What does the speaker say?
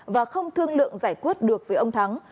và không thương lượng giải quyết được với ông thắng